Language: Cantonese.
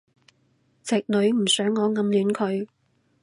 直女唔想我暗戀佢